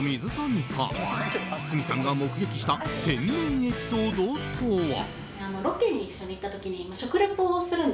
鷲見さんが目撃した天然エピソードとは。